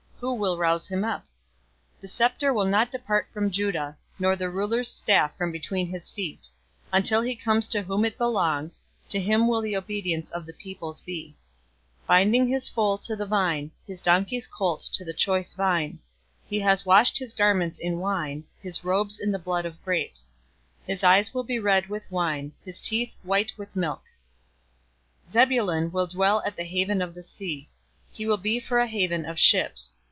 Who will rouse him up? 049:010 The scepter will not depart from Judah, nor the ruler's staff from between his feet, until he comes to whom it belongs. To him will the obedience of the peoples be. 049:011 Binding his foal to the vine, his donkey's colt to the choice vine; he has washed his garments in wine, his robes in the blood of grapes. 049:012 His eyes will be red with wine, his teeth white with milk. 049:013 "Zebulun will dwell at the haven of the sea. He will be for a haven of ships.